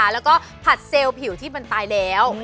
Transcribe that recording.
แล้วก็ผัดเซลล์ผิวที่มันตายแล้ว